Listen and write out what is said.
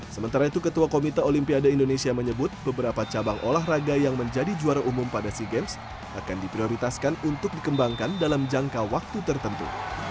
sementara itu ketua komite olimpiade indonesia menyebut beberapa cabang olahraga yang menjadi juara umum pada sea games akan diprioritaskan untuk dikembangkan dalam jangka waktu tertentu